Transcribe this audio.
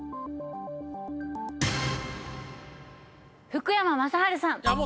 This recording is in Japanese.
福山雅治さん。